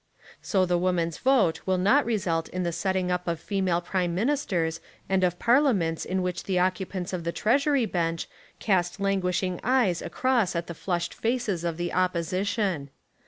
So the woman's vote will not result in the setting up of female prime ministers and of parliaments in which the occupants of the treasury bench cast languishing eyes across at the flushed faces of the opposition.